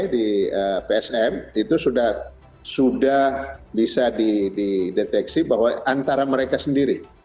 di psm itu sudah bisa dideteksi bahwa antara mereka sendiri